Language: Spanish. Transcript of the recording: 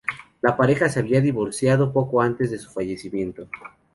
La pareja se había divorciado poco antes de su fallecimiento.